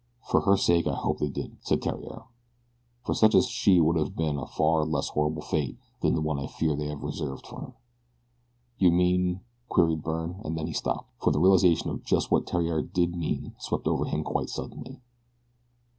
"For her sake I hope that they did," said Theriere; "for such as she it would have been a far less horrible fate than the one I fear they have reserved her for." "You mean " queried Byrne, and then he stopped, for the realization of just what Theriere did mean swept over him quite suddenly.